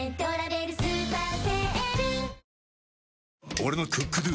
俺の「ＣｏｏｋＤｏ」！